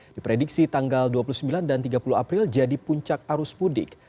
diprediksi tanggal dua puluh sembilan dan tiga puluh april jadi puncak arus mudik